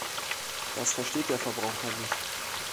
Das versteht der Verbraucher nicht.